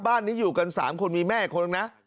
บ้านนี้อยู่กัน๓คนมีแม่คนนะ